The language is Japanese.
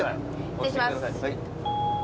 失礼します。